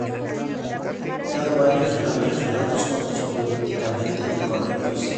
Ha publicado varios relatos cortos políticamente incorrectos.